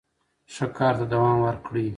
ښه کار ته دوام ورکړئ.